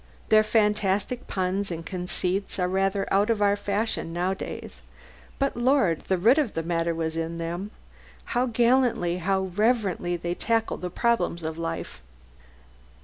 Their fantastic puns and conceits are rather out of our fashion nowadays. But Lord! the root of the matter was in them! How gallantly, how reverently, they tackle the problems of life!